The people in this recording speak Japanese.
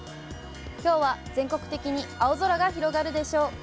きょうは全国的に青空が広がるでしょう。